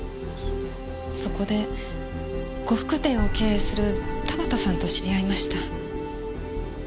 そこで呉服店を経営する田端さんと知り合いました。